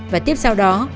và tiếp sau đó